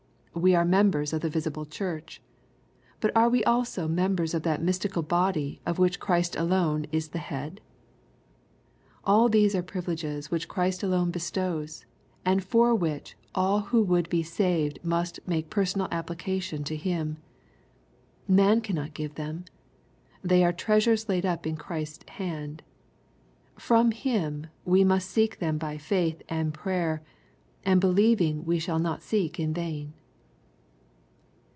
— We are members of the visible Church. But are we also members of that mystical body of which Christ alone is the Head ?— ^All these are privileges which Christ alone bestows, and for which all who would be saved must make personal application to Him. Man cannt)t give them. They are treasures laid up in Christ's hand. From Him we must seek them by faith and prayer, and believing we shall not seek in vain.